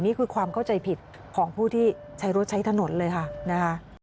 นี่คือความเข้าใจผิดของผู้ที่ใช้รถใช้ถนนเลยค่ะนะคะ